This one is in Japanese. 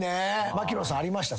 槙野さんありました？